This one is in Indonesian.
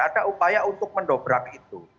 ada upaya untuk mendobrak itu